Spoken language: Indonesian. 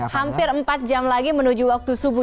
hampir empat jam lagi menuju waktu subuh